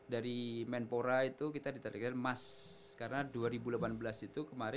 dari man kuamen pora itu kita ditargetkan fotografi nah makanya jadi biaya kita kembali tolong far conceptualisasi